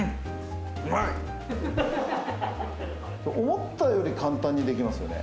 思ったより簡単にできますよね。